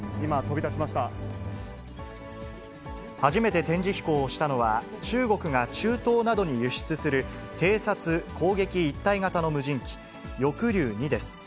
初めて展示飛行をしたのは、中国が中東などに輸出する偵察・攻撃一体型の無人機、翼竜２です。